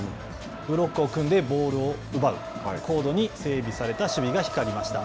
ブロックを組んでボールを奪う高度に整備された守備が光りました。